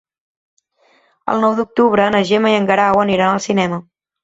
El nou d'octubre na Gemma i en Guerau aniran al cinema.